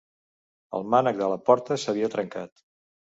El mànec de la porta s'havia trencat.